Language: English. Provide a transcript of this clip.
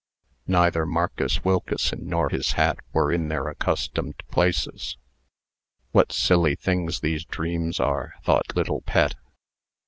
Neither Marcus Wilkeson nor his hat were in their accustomed, places. "What silly things these dreams are!" thought little Pet.